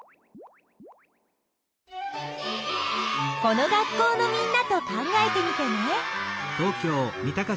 この学校のみんなと考えてみてね。